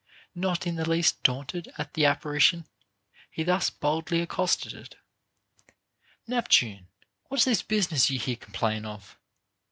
Not in the least daunted at the apparition, he thus boldly accosted it : Neptune ! what's this business you here com plain of?